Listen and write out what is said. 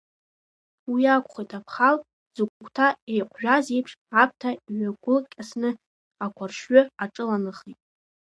Уи акәхеит, аԥҳал зыгәҭа еиҟәжәаз еиԥш, аԥҭа иҩагәылкьасаны ақәаршҩы аҿыланахеит.